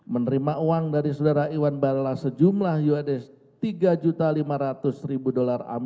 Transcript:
menerima uang dari saudara iwan barala sejumlah us tiga lima ratus